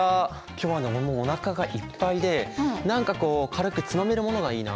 今日はねもうおなかがいっぱいで何かこう軽くつまめるものがいいな。